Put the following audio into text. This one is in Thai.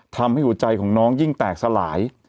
ทำให้หัวใจของน้องยิ่งแตกสลาย